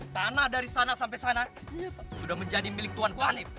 tanah dari sana sampai sana sudah menjadi milik tuan kuanib